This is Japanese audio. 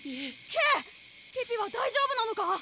ケイピピは大丈夫なのか？